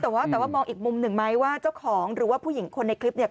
แต่ว่าแต่ว่ามองอีกมุมหนึ่งไหมว่าเจ้าของหรือว่าผู้หญิงคนในคลิปเนี่ย